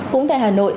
cũng tại hà nội